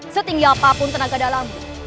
setinggi apapun tenaga dalammu